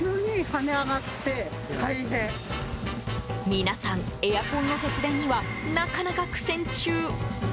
皆さん、エアコンの節電にはなかなか苦戦中。